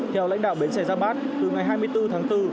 theo lãnh đạo bến xe giáp bát từ ngày hai mươi bốn tháng bốn